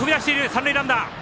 三塁ランナー。